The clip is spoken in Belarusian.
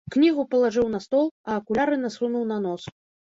Кнігу палажыў на стол, а акуляры насунуў на нос.